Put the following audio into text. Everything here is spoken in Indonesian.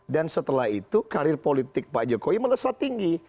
dan setelah itu karir politik pak jokowi melesat tinggi